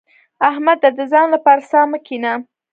احمده! د ځان لپاره څا مه کينه.